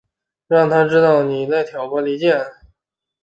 让他知道妳在挑拨离间